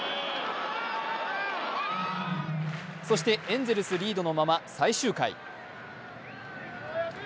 そしてエンゼルス、リードのまま最終回。